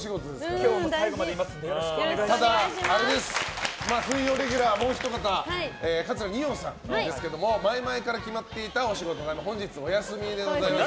今日は最後までいますのでただ、水曜レギュラーもうひと方桂二葉さんですけど前々から決まっていたお仕事があり本日お休みでございます。